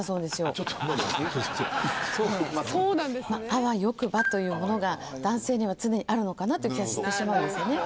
あわよくばというものが男性には常にあるのかなという気がしてしまうんですよね。